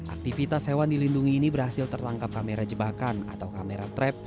aktivitas hewan dilindungi ini berhasil tertangkap kamera jebakan atau kamera trap